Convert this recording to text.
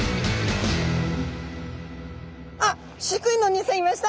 あっ飼育員のおにいさんいました！